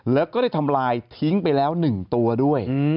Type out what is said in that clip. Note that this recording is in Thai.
แล้วก็ได้ทำลายทิ้งไปแล้ว๑ตัวด้วย